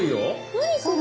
何それ。